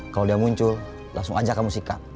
kalau dia muncul langsung aja kamu sikat